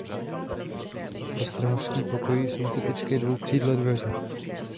Pro Strahovský pokoj jsou typické dvoukřídlé dveře.